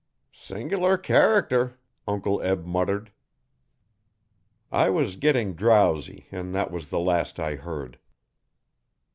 'Sing'lar character!' Uncle Eb muttered. I was getting drowsy and that was the last I heard.